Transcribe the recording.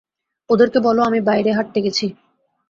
ওদেরকে বলো আমি বাইরে হাঁটতে গেছি।